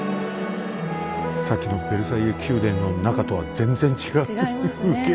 さっきのヴェルサイユ宮殿の中とは全然違う風景。